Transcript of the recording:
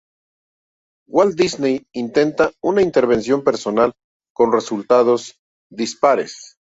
Walt Disney intenta una intervención personal, con resultados dispares.